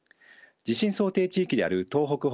地震想定地域である東北